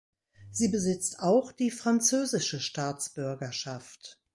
Sie besitzt auch die französische Staatsbürgerschaft.